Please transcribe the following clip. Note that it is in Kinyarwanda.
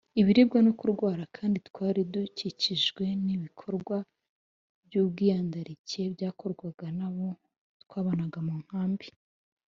ibiribwa no kurwara kandi twari dukikijwe n ibikorwa by ubwiyandarike byakorwaga n abo twabanaga mu nkambi